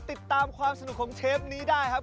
ติดตามความสนุกของเชฟนี้ได้ครับ